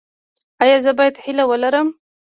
ایا زه باید هیله ولرم؟